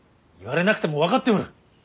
言われなくても分かっておる。